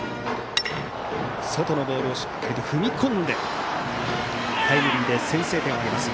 外のボールにしっかりと踏み込んでタイムリーで先制点を挙げます